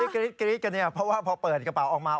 กรี๊ดกันเนี่ยเพราะว่าพอเปิดกระเป๋าออกมา